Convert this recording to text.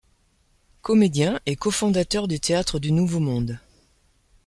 Comédien et cofondateur du Théâtre du Nouveau Monde.